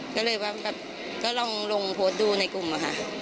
ก็เลยว่าแบบก็ลองลงโพสต์ดูในกลุ่มอะค่ะ